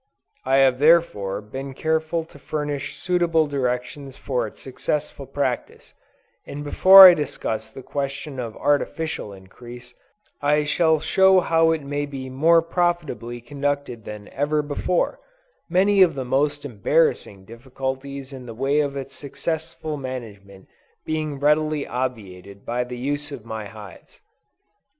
I have therefore, been careful to furnish suitable directions for its successful practice; and before I discuss the question of Artificial Increase, I shall show how it may be more profitably conducted than ever before; many of the most embarrassing difficulties in the way of its successful management being readily obviated by the use of my hives.